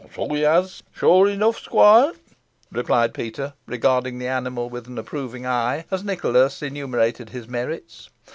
"So he has, sure enough, squoire," replied Peter, regarding the animal with an approving eye, as Nicholas enumerated his merits.